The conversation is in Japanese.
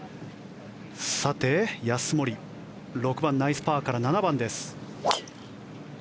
さて、安森６番、ナイスパーから７番です。